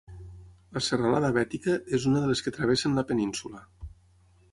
La serralada Bètica és una de les que travessen la península.